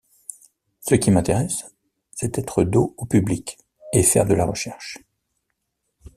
Ce qui m'intéresse, c'est être dos au public et faire de la recherche.